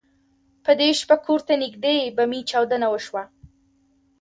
په دې شپه کور ته نږدې بمي چاودنه وشوه.